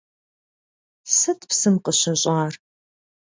Сыт псым къыщыщӀар?